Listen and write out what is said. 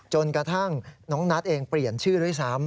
จนกระทั่งน้องนัทเองเปลี่ยนชื่อด้วยซ้ำ